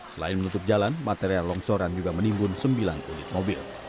selain menutup jalan material longsoran juga menimbun sembilan unit mobil